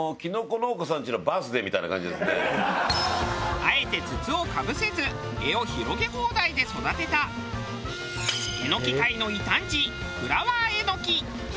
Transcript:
あえて筒をかぶせず柄を広げ放題で育てたエノキ界の異端児フラワーえのき。